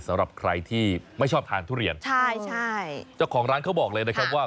สำหรับใครที่ไม่ชอบทานทุเรียนใช่ใช่เจ้าของร้านเขาบอกเลยนะครับว่า